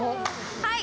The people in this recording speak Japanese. はい！